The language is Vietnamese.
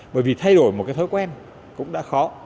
bởi vì thay đổi một cái thói quen cũng đã khó